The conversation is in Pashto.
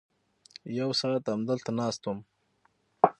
یو ساعت همدلته ناست وم.